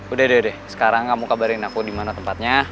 udah deh sekarang kamu kabarin aku dimana tempatnya